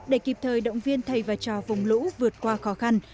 để kịp thời động viên thầy và trò vùng lũ vượt qua khó khăn